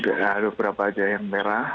ada beberapa aja yang merah